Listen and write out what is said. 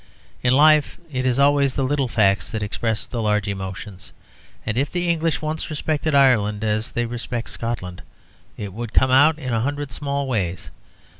In life it is always the little facts that express the large emotions, and if the English once respected Ireland as they respect Scotland, it would come out in a hundred small ways.